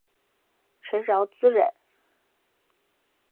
陈尧咨人。